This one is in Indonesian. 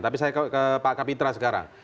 tapi saya ke pak kapitra sekarang